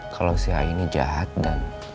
kalau si a ini jahat dan